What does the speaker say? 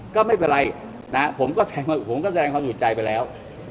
ก็ไม่เป็นไรผมก็แสดงความอยู่ใจไปแล้ว